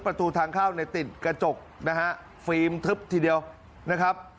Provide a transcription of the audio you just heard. ประตูทางเข้าในติดกระจกนะฮะฟิล์มทึบทีเดียวนะครับ